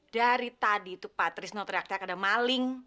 dari tadi tuh patris nulis teriak teriak ada maling